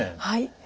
はい。